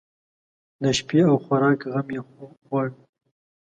د شپې او خوراک غم یې خوړ.